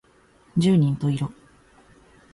十人十色